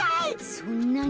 そんなに？